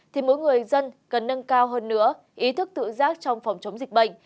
thì mỗi người dân cần nâng cao hơn nữa ý thức tự giác trong phòng chống dịch bệnh